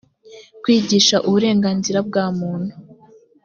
kwigisha uburenganzira bwa muntu